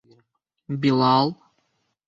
Билал...